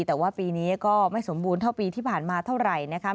แต่ว่าปีนี้ก็ไม่สมบูรณ์เท่าปีที่ผ่านมาเท่าไหร่นะคะ